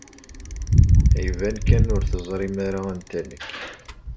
Iban kan ur teẓrim ara anta nekk.